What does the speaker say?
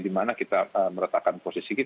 di mana kita meletakkan posisi kita